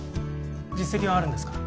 実績はあるんですか？